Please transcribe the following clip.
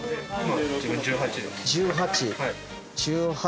１８。